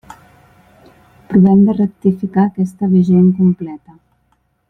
Provem de rectificar aquesta visió incompleta.